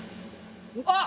あっ！